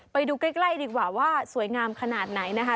ไปดูใกล้ดีกว่าว่าสวยงามขนาดไหนนะคะ